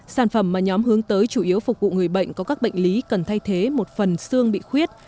sản phẩm mà nhóm hướng tới chủ yếu phục vụ người bệnh có các bệnh lý cần thay thế một phần xương bị khuyết